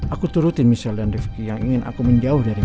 aku turutin michelle dan rifki yang ingin aku menjauh dari